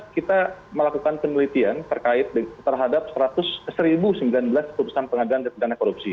dua ribu sembilan belas kita melakukan penelitian terhadap seribu sembilan belas putusan pengadilan dinafidana korupsi